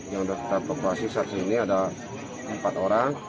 yang sudah terpokok pasi saat ini ada empat orang